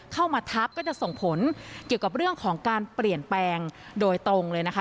เข้ามาทับก็จะส่งผลเกี่ยวกับเรื่องของการเปลี่ยนแปลงโดยตรงเลยนะคะ